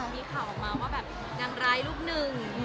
มีข่าวว่าการร้ายลูกหนึ่ง